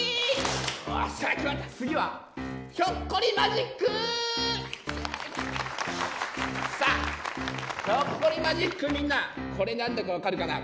さあひょっこりマジックみんなこれ何だか分かるかな？